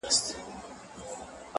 نوره به دي زه له ياده وباسم ـ